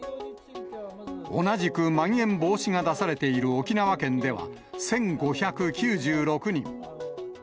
同じくまん延防止が出されている沖縄県では１５９６人。